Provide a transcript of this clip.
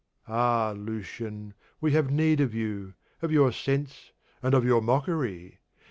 Ah, Lucian, we have need of you, of your sense and of your mockery!